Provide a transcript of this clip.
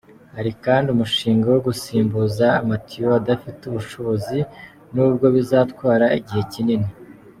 Hari kandi umushinga wo gusimbuza amatiyo adafite ubushobozi, nubwo bizatwara igihe kinini.